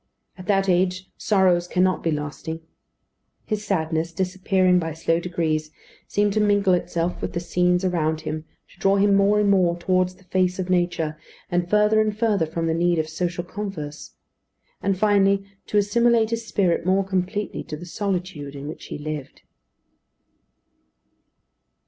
At that age sorrows cannot be lasting. His sadness, disappearing by slow degrees, seemed to mingle itself with the scenes around him, to draw him more and more towards the face of nature, and further and further from the need of social converse; and, finally, to assimilate his spirit more completely to the solitude in which he lived.